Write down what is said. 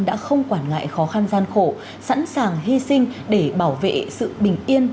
đã không quản ngại khó khăn gian khổ sẵn sàng hy sinh để bảo vệ sự bình yên